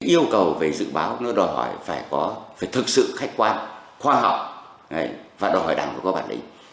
yêu cầu về dự báo nó đòi hỏi phải có phải thực sự khách quan khoa học và đòi hỏi đảng có bản lĩnh